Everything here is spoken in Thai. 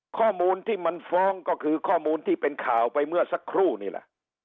ข้อมูลที่มันฟ้องก็คือข้อมูลที่เป็นข่าวไปเมื่อสักครู่นี่แหละ